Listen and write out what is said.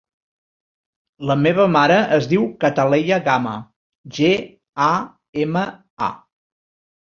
La meva mare es diu Cataleya Gama: ge, a, ema, a.